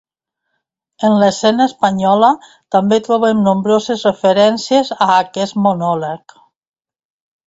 En l'escena espanyola, també trobem nombroses referències a aquest monòleg.